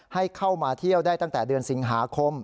ให้เข้ามาเที่ยวได้ตั้งแต่เดือนสิงหาคม